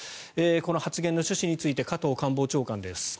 この発言の趣旨について加藤官房長官です。